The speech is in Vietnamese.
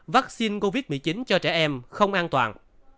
vaccine covid một mươi chín cho trẻ em không an toàn